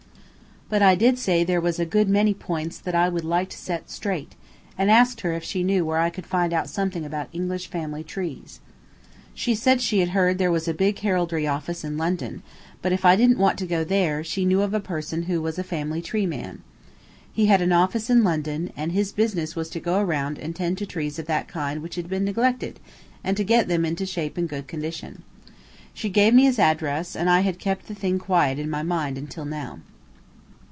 But I did say there was a good many points that I would like to set straight, and asked her if she knew where I could find out something about English family trees. She said she had heard there was a big heraldry office in London, but if I didn't want to go there, she knew of a person who was a family tree man. He had an office in London, and his business was to go around and tend to trees of that kind which had been neglected, and to get them into shape and good condition. She gave me his address, and I had kept the thing quiet in my mind until now.